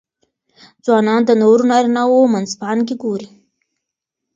ځوانان د نورو نارینهوو منځپانګې ګوري.